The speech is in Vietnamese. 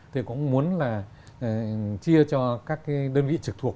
thì cũng muốn là chia cho các cái đơn vị trực thuộc